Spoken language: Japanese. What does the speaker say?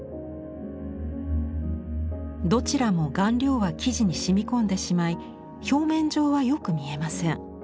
どちらも顔料は生地に染み込んでしまい表面上はよく見えません。